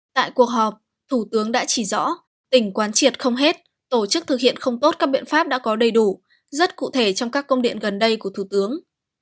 tại cuộc họp thủ tướng đã chỉ rõ tỉnh quán triệt không hết tổ chức thực hiện không tốt các biện pháp đã có đầy đủ rất cụ thể trong các công điện gần đây của thủ tướng